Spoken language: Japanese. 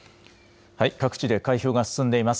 各地で開票が進んでいます。